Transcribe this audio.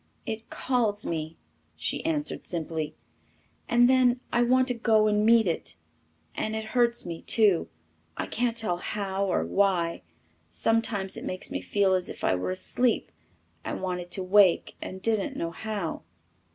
"It calls me," she answered simply, "and then I want to go out and meet it and it hurts me too. I can't tell how or why. Sometimes it makes me feel as if I were asleep and wanted to wake and didn't know how."